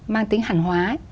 mang tính hàn hóa